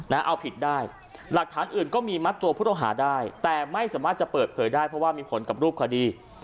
เอาผิดได้หลักฐานอื่นก็มีมัดตัวผู้ต้องหาได้แต่ไม่สามารถจะเปิดเผยได้เพราะว่ามีผลกับรูปคดี